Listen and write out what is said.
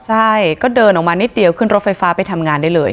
ใช่ก็เดินออกมานิดเดียวขึ้นรถไฟฟ้าไปทำงานได้เลย